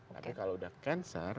belum menjadi cancer